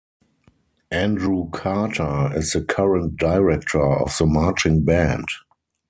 Andrew Carter is the current director of the marching band.